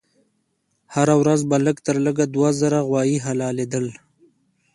هر ورځ به لږ تر لږه دوه زره غوایي حلالېدل.